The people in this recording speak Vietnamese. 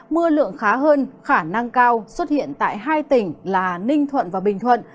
mưa lượng khá hơn khả năng cao xuất hiện tại hai tỉnh là ninh thuận và bình thuận